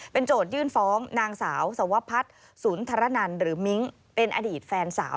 โจทยื่นฟ้องนางสาวสวพัฒน์สุนทรนันหรือมิ้งเป็นอดีตแฟนสาว